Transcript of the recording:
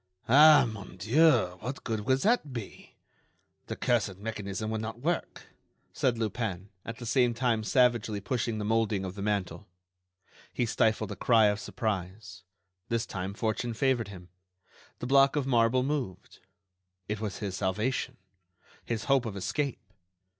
"Ah! mon dieu, what good would that be? The cursed mechanism will not work," said Lupin, at the same time savagely pushing the moulding of the mantel. He stifled a cry of surprise; this time fortune favored him—the block of marble moved. It was his salvation; his hope of escape.